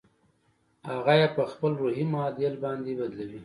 هغه يې په خپل روحي معادل باندې بدلوي.